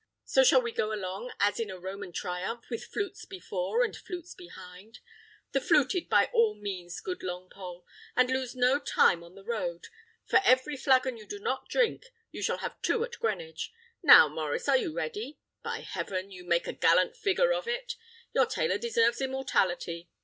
So shall we go along as in a Roman triumph, with flutes before, and flutes behind. The fluted by all means, good Longpole, and lose no time on the road: for every flagon you do not drink, you shall have two at Greenwich. Now, Maurice, are you ready? By heaven! you make a gallant figure of it; your tailor deserves immortality.